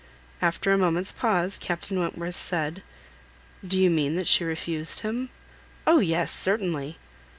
After a moment's pause, Captain Wentworth said— "Do you mean that she refused him?" "Oh! yes; certainly."